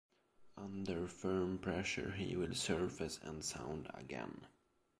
Under firm pressure he will surface, and sound again.